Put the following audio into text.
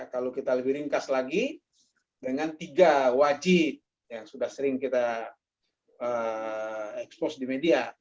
kalau kita lebih ringkas lagi dengan tiga wajib yang sudah sering kita expose di media